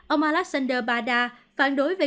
ông alexander bada phản đối who